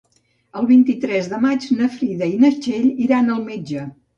El vint-i-tres de maig na Frida i na Txell iran al metge.